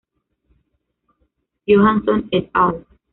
Johansson et al.